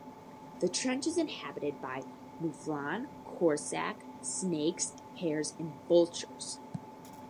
The trench is inhabited by mouflon, corsac, snakes, hares and vultures.